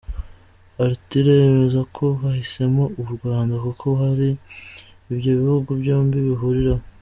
Ethuro yemeza ko bahisemo u Rwanda, kuko hari ibyo ibihugu byombi bihuriraho.